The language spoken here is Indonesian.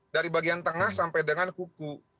dari bagian tengah sampai dengan kuku